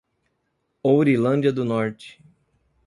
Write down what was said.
Ourilândia do Norte